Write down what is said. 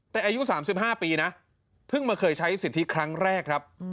แต่อายุ๓๕ปีนะเพิ่งมาเคยใช้สิทธิครั้งแรกครับ